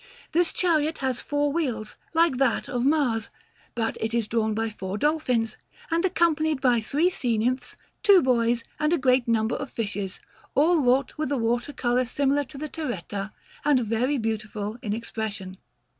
This chariot has four wheels, like that of Mars, but it is drawn by four dolphins, and accompanied by three sea nymphs, two boys, and a great number of fishes, all wrought with a water colour similar to the terretta, and very beautiful in expression.